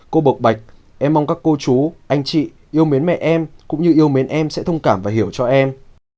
cô bộc bạch em mong các cô chú anh chị yêu mến mẹ em cũng như yêu mến em sẽ thông cảm và hiểu cho em